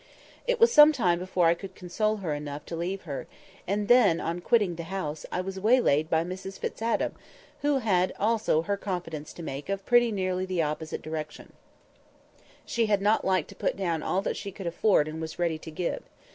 It was some time before I could console her enough to leave her; and then, on quitting the house, I was waylaid by Mrs Fitz Adam, who had also her confidence to make of pretty nearly the opposite description. She had not liked to put down all that she could afford and was ready to give.